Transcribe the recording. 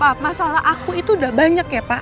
wah masalah aku itu udah banyak ya pak